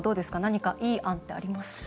何かいい案ってありますか？